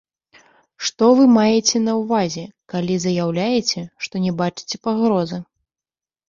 Што вы маеце на ўвазе, калі заяўляеце, што не бачыце пагрозы?